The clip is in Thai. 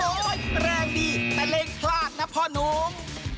โอ๊ยแรงดีแต่เล็งพลาดนะพ่อนุ้ม